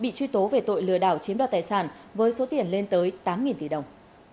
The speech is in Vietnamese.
bị truy tố về tội lừa đảo chiếm đoạt tài sản với số tiền lên tới tám tỷ đồng